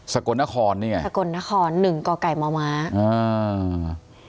กลนครนี่ไงสกลนครหนึ่งก่อไก่มมอ่า